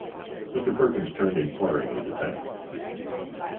Mr. Perkins turned inquiringly to Tad.